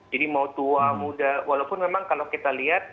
jadi mau tua muda walaupun memang kalau kita lihat